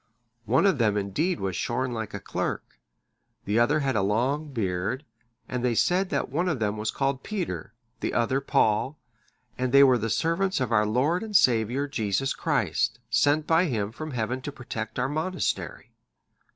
One of them indeed was shorn like a clerk, the other had a long beard; and they said that one of them was called Peter, the other Paul; and they were the servants of our Lord and Saviour Jesus Christ, sent by Him from Heaven to protect our monastery."